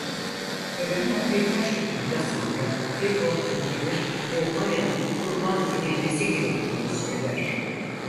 Törenden birkaç dakika sonra bir oğlan gelir ve Maya'nın kurban edilmesi gerektiğini söyler.